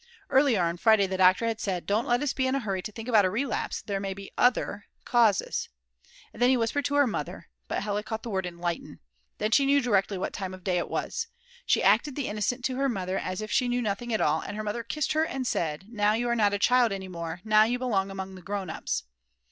Earlier on Friday the doctor had said: "Don't let us be in a hurry to think about a relapse, there may be other!! causes." And then he whispered to her mother, but Hella caught the word enlighten. Then she knew directly what time of day it was. She acted the innocent to her mother, as if she knew nothing at all, and her mother kissed her and said, now you are not a child any more, now you belong among the grown ups.